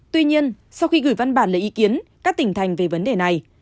tuy nhiên sau khi gửi văn bản lấy ý kiến các tỉnh thành về vấn đề này